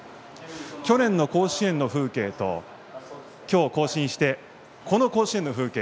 去年の甲子園の風景と今日、行進してこの甲子園の風景